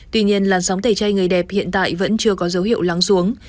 tuy nhiên làn sóng tẩy chay người đẹp hiện tại vẫn chưa có dấu hiệu lắng xuống